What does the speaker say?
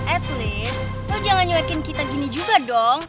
at least lo jangan nyoekin kita gini juga dong